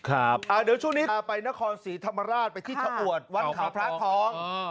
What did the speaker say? เดี๋ยวช่วงนี้พาไปนครศรีธรรมราชไปที่ชะอวดวัดเขาพระทอง